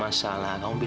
jangan bahkan r constant